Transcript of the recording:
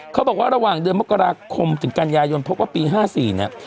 เขาบอกว่าระหว่างเดือนมกราคมถึงกันยายนพบว่าปี๕๔เนี่ย